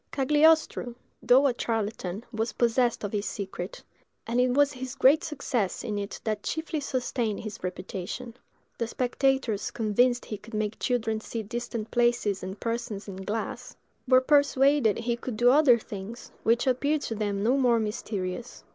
Cagliostro, though a charlatan, was possessed of this secret, and it was his great success in it that chiefly sustained his reputation; the spectators, convinced he could make children see distant places and persons in glass, were persuaded he could do other things, which appeared to them no more mysterious.